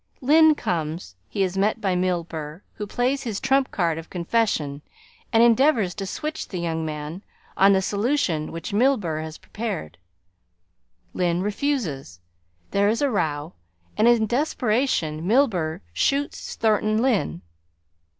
Lyne comes. He is met by Milburgh, who plays his trump card of confession and endeavours to switch the young man on to the solution which Milburgh had prepared. Lyne refuses, there is a row, and is desperation Milburgh shoots Thornton Lyne."